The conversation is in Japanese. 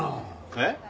えっ？